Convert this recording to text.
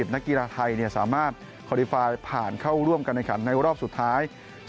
นักกีฬาไทยสามารถคอลลิฟาผ่านเข้าร่วมการอังกษัตริย์ในรอบสุดท้าย